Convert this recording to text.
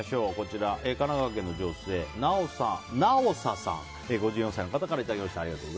神奈川県の５４歳の女性からいただきました。